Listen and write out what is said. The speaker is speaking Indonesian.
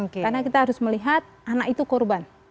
karena kita harus melihat anak itu korban